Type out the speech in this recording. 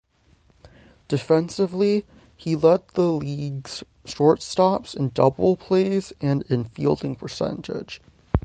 Defensively, he led the league's shortstops in double plays and in fielding percentage.